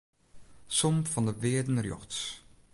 Som fan de wearden rjochts.